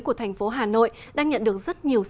của thành phố hà nội đang nhận được rất nhiều sản xuất